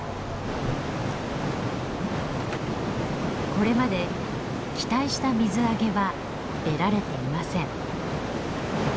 これまで期待した水揚げは得られていません。